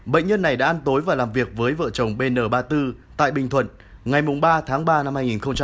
bệnh nhân này đã ăn tối và làm việc với vợ chồng bn ba mươi bốn tại bình thuận ngày ba tháng ba năm hai nghìn hai mươi